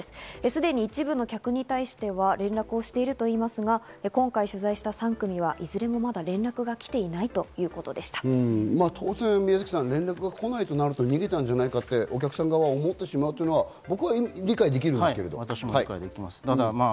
すでに一部の客に対しては連絡しているということですが、今回取材した３組はいずれもまだ連絡が来ていないと当然、連絡が来ないとなると、逃げたんじゃないかとお客さん側は思ってしまうというのは僕は理解できるんですけど。